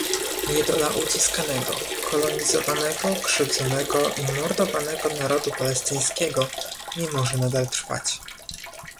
Niedola uciskanego, kolonizowanego, krzywdzonego i mordowanego narodu palestyńskiego nie może nadal trwać